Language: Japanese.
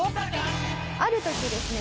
ある時ですね